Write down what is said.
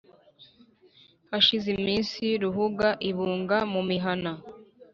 Hashize iminsi Ruhuga ibunga mu mihana